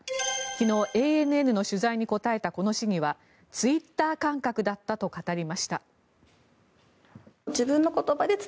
昨日、ＡＮＮの取材に答えたこの市議はツイッター感覚だったと語りました。